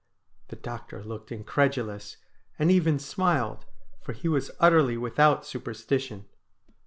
The doctor looked incredulous, and even smiled, for he was utterly without superstition.